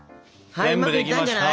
はいうまくいったんじゃない？